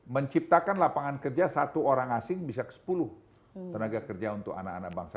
menciptakan lapangan kerja satu orang asing bisa ke sepuluh tenaga kerja untuk anak anak bangsa